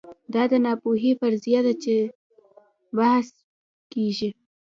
دا د ناپوهۍ فرضیه ده چې پرې بحث کېږي.